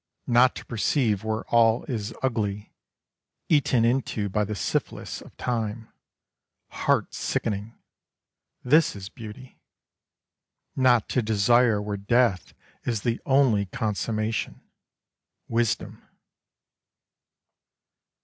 Not to perceive where all is ugly, eaten into by the syphilis of time, heart sickening — this is beauty ; not to desire where death is the only consummation — wisdom.